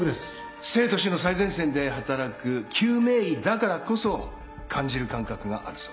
生と死の最前線で働く救命医だからこそ感じる感覚があるそうです。